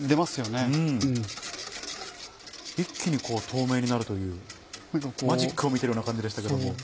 一気に透明になるというマジックを見てるような感じでしたけども。